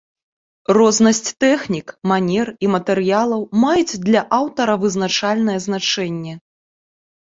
Рознасць тэхнік, манер і матэрыялаў маюць для аўтара вызначальнае значэнне.